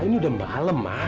ini udah mbalem ma